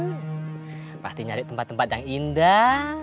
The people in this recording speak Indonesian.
pasti nyari tempat tempat yang indah